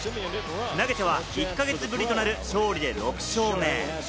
投げては１か月ぶりとなる勝利で６勝目。